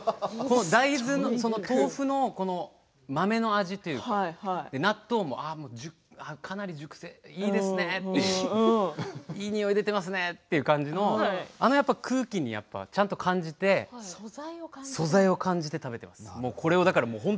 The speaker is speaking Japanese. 豆腐の豆の味というか納豆もかなり熟成していいですねっていういいにおい出ていますねっていう空気で、ちゃんと感じて素材を感じて食べています。